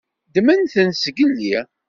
Ddmen-ten zgelli.